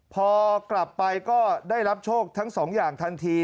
พอกลับไปก็ได้รับโชคทั้งสองอย่างทันที